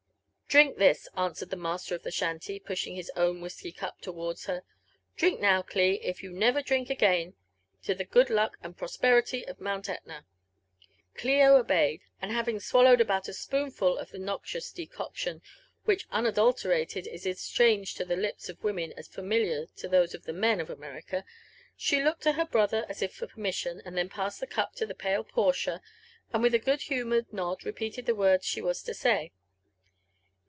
''Drink this," answered the master of the shanty, pushing his own whisky cup towards her, —drink now, Cli, if you never dHnk again, to the good luck and prosperity of Mount Etna !" Clio obeyed, and having swallowed about a spoonful of the noxious decoction, which unadulterated is as strange to the lips of the women aa familiar to those of the men of America, she looked to her brother as if for permission, and then passed the cup to the pale Portia, and with a good humoured nod repeated the words she was to say.